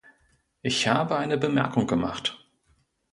Ich habe eine Bemerkung gemacht.